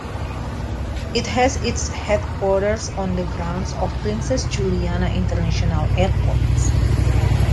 It has its headquarters on the grounds of Princess Juliana International Airport.